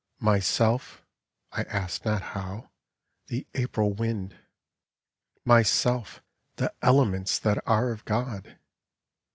Myself (I asked not how) the April wind. Myself the elements that are of God.